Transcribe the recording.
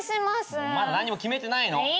まだ何にも決めてないの。